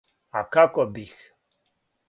А како бих?